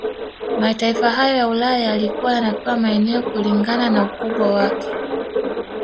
Mataifa hayo ya Ulaya yalikuwa yanapewa maeneo kilingana na ukubwamwake